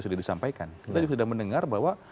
sudah disampaikan kita juga sudah mendengar bahwa